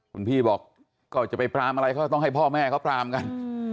คุณพี่บอกก็จะไปปรามอะไรเขาต้องให้พ่อแม่เขาปรามกัน